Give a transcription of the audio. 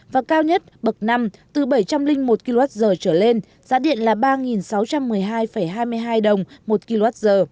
và cao nhất bậc năm từ bảy trăm linh một kwh trở lên giá điện là ba sáu trăm một mươi hai hai mươi hai đồng một kwh